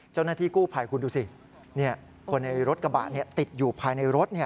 เจ้าหน้าที่กู้ภัยคุณดูสิคนในรถกระบะติดอยู่ภายในรถ